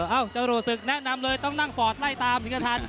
เอ้าจรวดศึกแนะนำเลยต้องนั่งปอดไล่ตามถึงกระทาน